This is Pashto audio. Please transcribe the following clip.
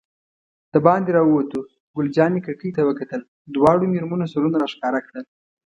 دباندې راووتو، ګل جانې کړکۍ ته وکتل، دواړو مېرمنو سرونه را ښکاره کړل.